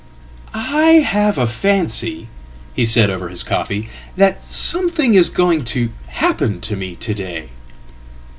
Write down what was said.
"I have a fancy," he said over his coffee, "that something is going tohappen to me to day."